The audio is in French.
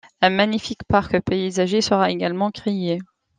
Un magnifique parc paysager sera également créé.